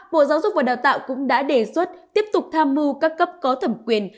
bộ giáo dục và đào tạo cũng đã đề xuất tiếp tục tham mưu các cấp có thẩm quyền